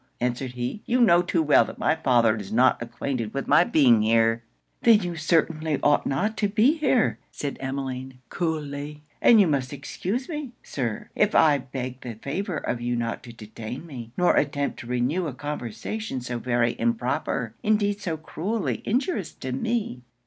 answered he; 'you know too well that my father is not acquainted with my being here.' 'Then you certainly ought not to be here,' said Emmeline, coolly; 'and you must excuse me, Sir, if I beg the favor of you not to detain me, nor attempt to renew a conversation so very improper, indeed so cruelly injurious to me.'